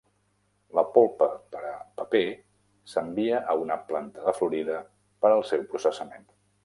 La polpa per a paper s"envia a una planta de Florida per al seu processament.